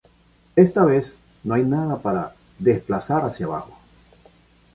Esta vez, no hay nada para "desplazar hacia abajo".